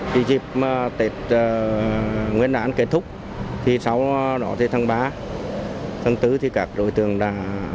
khi dịp tết nguyên đán kết thúc sau đó thì tháng ba tháng bốn thì các đối tượng đã